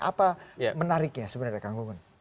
apa menariknya sebenarnya kang gunggun